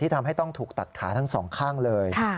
ทำให้ต้องถูกตัดขาทั้งสองข้างเลย